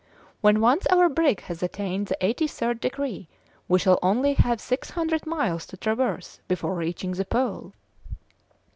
When once our brig has attained the eighty third degree we shall only have six hundred miles to traverse before reaching the Pole."